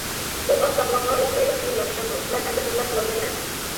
بۇ ئاق ساقىلىمغا ئۇ چىرايلىق كىيىم يارىشامدۇ؟ مەن ئەمدى خىزمەت قىلالمايمەن.